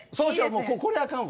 もうこれあかんわ。